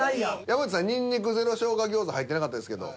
山内さんにんにくゼロ生姜餃子入ってなかったですけど。